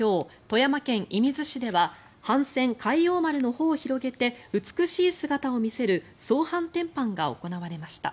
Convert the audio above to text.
富山県射水市では帆船「海王丸」の帆を広げて美しい姿を見せる総帆展帆が行われました。